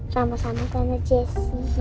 sama sama sama jessy